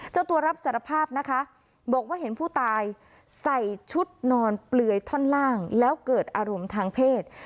เจ้าตัวรับสารภาพนะคะบอกว่าเห็นผู้ตายใส่ชุดนอนเปลือยท่อนล่างแล้วเกิดอารมณ์ทางเพศ